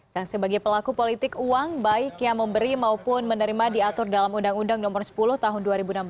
dan sebagai pelaku politik uang baik yang memberi maupun menerima diatur dalam undang undang nomor sepuluh tahun dua ribu enam belas